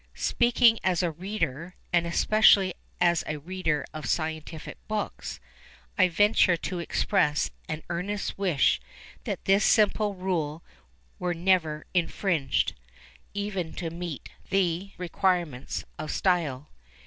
Speaking as a reader, and especially as a reader of scientific books, I venture to express an earnest wish that this simple rule were never infringed, even to meet the requirements of style.